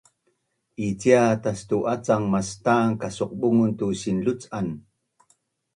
icia tastu’acang mastan kasoqbungun tu sinluc’an